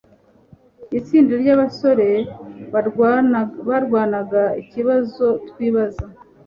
Itsinda ryabasore barwanaga ikibazo twibaza